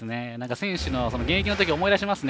選手、現役の時を思い出しますね。